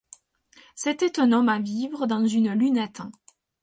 C’était un homme à vivre dans une lunette.